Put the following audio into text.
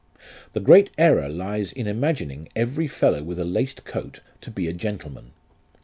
" The great error lies in imagining every fellow with a laced coat to be a gentleman.